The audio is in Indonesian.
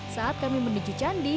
saat kami menuju candi